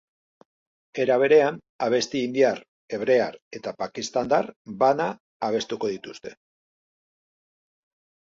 Era berean, abesti indiar, hebrear eta pakistandar bana abestuko dituzte.